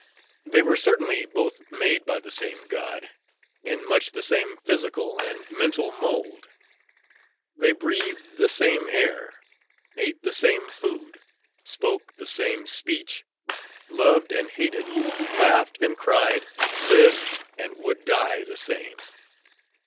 They were certainly both made by the same God, in much the same physical and mental mould; they breathed the same air, ate the same food, spoke the same speech, loved and hated, laughed and cried, lived and would die, the same.